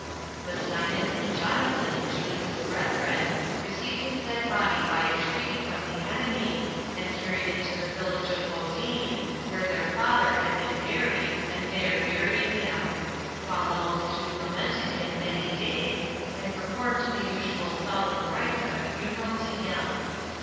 But Simon and Jonathan, Judas's brethren, received his dead body by a treaty from the enemy, and carried it to the village of Modin, where their father had been buried, and there buried him; while the multitude lamented him many days, and performed the usual solemn rites of a funeral to him.